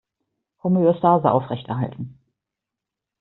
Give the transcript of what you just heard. Homöostase aufrechterhalten!